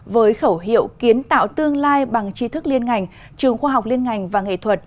với khẩu hiệu kiến tạo tương lai bằng chi thức liên ngành trường khoa học liên ngành và nghệ thuật